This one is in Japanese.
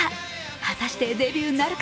果たして、デビューなるか。